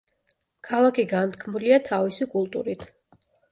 ქალაქი განთქმულია თავისი კულტურით.